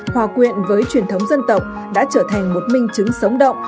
hòa quyện với truyền thống dân tộc đã trở thành một minh chứng sống động